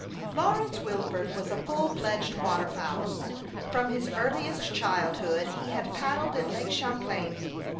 LAWRENCE WILFORD was a full fledged water fowl. From his earliest childhood he had paddled in Lake Champlain.